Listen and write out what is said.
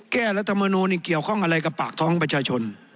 รัฐมนูลเกี่ยวข้องอะไรกับปากท้องประชาชน